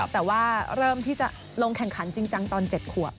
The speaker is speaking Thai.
แต่ว่าเริ่มที่จะลงแข่งขันจริงจังตอน๗ขวบ